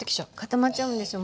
固まっちゃうんですよ。